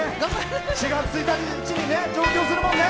４月１日に上京するもんね。